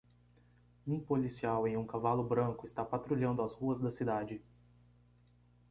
Um policial em um cavalo branco está patrulhando as ruas da cidade.